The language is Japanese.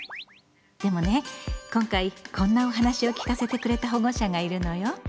でもね今回こんなお話を聞かせてくれた保護者がいるのよ。